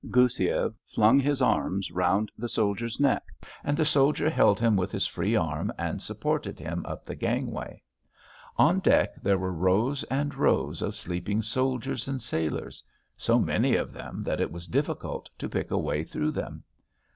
Goussiev flung his arms round the soldier's neck and the soldier held him with his free arm and supported him up the gangway. On deck there were rows and rows of sleeping soldiers and sailors; so many of them that it was difficult to pick a way through them.